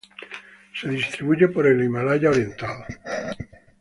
Se distribuye por el Himalaya oriental.